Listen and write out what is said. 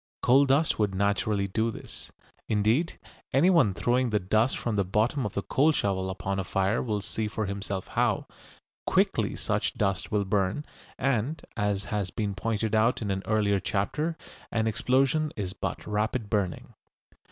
Coal dust would naturally do this. Indeed anyone throwing the dust from the bottom of the coal shovel upon a fire will see for himself how, quickly such dust will burn, and, as has been pointed out in an earlier chapter, an explosion is but rapid burning.